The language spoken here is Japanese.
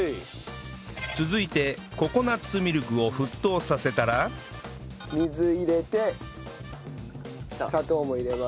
続いてココナッツミルクを沸騰させたら水入れて砂糖も入れます。